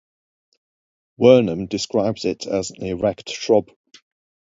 Wernham describes it as an erect shrub.